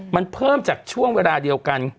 มันเพิ่มจากช่วงเวลาเดียวกัน